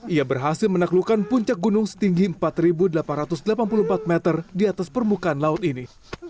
ia berhasil menaklukkan puncak gunung setinggi empat delapan ratus delapan puluh empat meter di atas permukaan laut ini